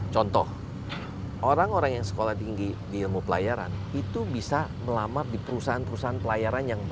contoh orang orang yang sekolah tinggi di ilmu pelayaran itu bisa melamar di perusahaan perusahaan pelayaran yang baik